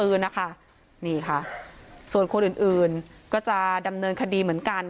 นี่ค่ะส่วนคนอื่นอื่นก็จะดำเนินคดีเหมือนกัน